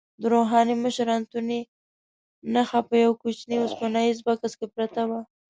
د روحاني مشر انتوني نخښه په یوه کوچني اوسپنیز بکس کې پرته وه.